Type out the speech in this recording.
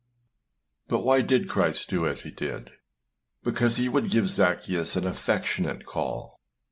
But why did Christ do as he did? Because he would give Zaccheus an affectionate call.